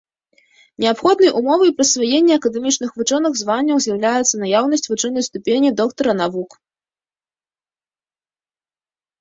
Неабходнай умовай прысваення акадэмічных вучоных званняў з'яўляецца наяўнасць вучонай ступені доктара навук.